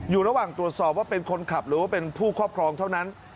อยู่ระหว่างตรวจสอบว่าเป็นคนขับหรือว่าเป็นผู้ครอบครองเท่านั้น